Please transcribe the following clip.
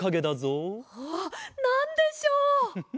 おなんでしょう！